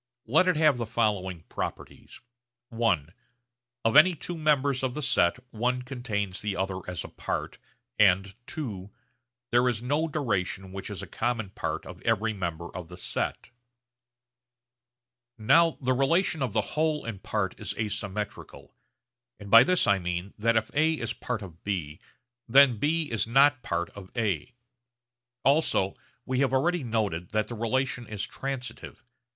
Let it have the following properties: (i) of any two members of the set one contains the other as a part, and (ii) there is no duration which is a common part of every member of the set. Now the relation of whole and part is asymmetrical; and by this I mean that if A is part of B, then B is not part of A. Also we have already noted that the relation is transitive.